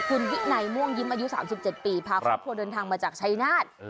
คุณวิไนม่วงยิ้มอายุสามสิบเจ็ดปีพาครอบครัวเดินทางมาจากชัยนาศ